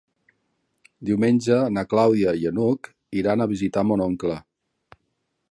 Diumenge na Clàudia i n'Hug iran a visitar mon oncle.